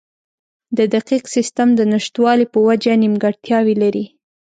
د دقیق سیستم د نشتوالي په وجه نیمګړتیاوې لري.